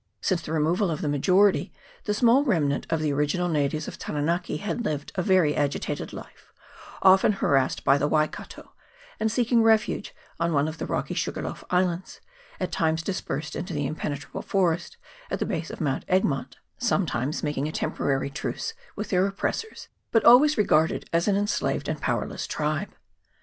Since the removal of the majority, the small remnant of the original na tives of Taranaki had lived a very agitated life, often harassed by the Waikato, and seeking refuge on one of the rocky Sugarloaf Islands, at times dispersed into the impenetrable forest at the base of Mount Egmont, sometimes making a temporary truce with their oppressors, but always regarded as an enslaved and powerless tribe.